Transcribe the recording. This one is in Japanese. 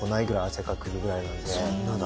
ぐらい汗かくぐらいなんで。